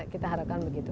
kita harapkan begitu